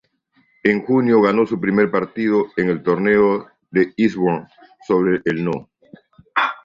En junio, ganó su primer partido en el Torneo de Eastbourne sobre el No.